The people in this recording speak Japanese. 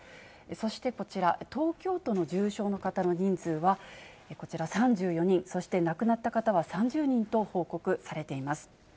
そしてこちら、東京都の重症の方の人数は、こちら３４人、そして亡くなった方は３０人と報告されています。